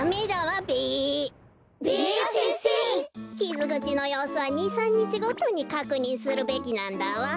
きずぐちのようすは２３にちごとにかくにんするべきなんだわ。